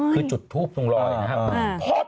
คือจุดทูปตรงรอยนะครับ